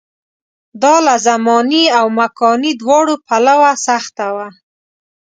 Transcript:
دا له زماني او مکاني دواړو پلوه سخته وه.